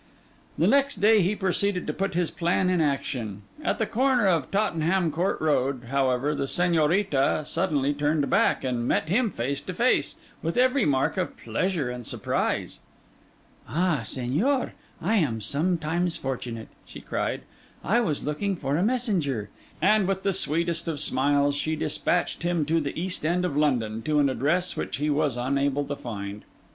The next day he proceeded to put his plan in action. At the corner of Tottenham Court Road, however, the Señorita suddenly turned back, and met him face to face, with every mark of pleasure and surprise. 'Ah, Señor, I am sometimes fortunate!' she cried. 'I was looking for a messenger;' and with the sweetest of smiles, she despatched him to the East End of London, to an address which he was unable to find.